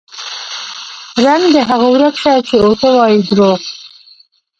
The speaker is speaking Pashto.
رنګ د هغو ورک شه چې اوټه وايي دروغ